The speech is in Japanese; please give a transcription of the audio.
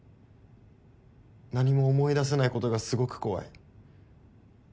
何も思い出せないことがすごく怖い。